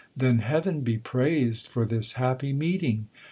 Then heaven be praised for this happy meeting.